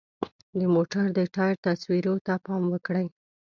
د موټر د ټایر تصویرو ته پام وکړئ.